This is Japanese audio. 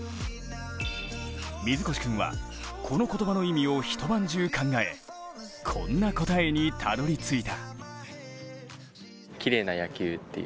水越君はこの言葉の意味を一晩中考え、こんな答えにたどり着いた。